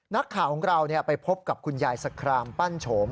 นักข่าวของเราไปพบกับคุณยายสครามปั้นโฉม